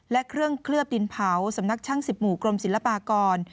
และเครื่องเคลือบดินเผาสำนักช่าง๑๐หมู่กรมศิลปากร